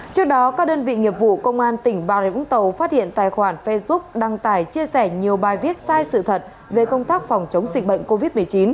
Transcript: trước đó các đơn vị nghiệp vụ công an tỉnh bà rịa vũng tàu phát hiện tài khoản facebook đăng tải chia sẻ nhiều bài viết sai sự thật về công tác phòng chống dịch bệnh covid một mươi chín